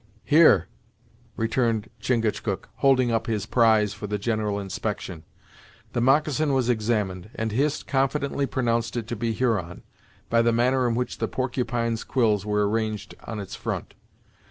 "Here," returned Chingachgook, holding up his prize for the general inspection. The moccasin was examined, and Hist confidently pronounced it to be Huron, by the manner in which the porcupine's quills were arranged on its front.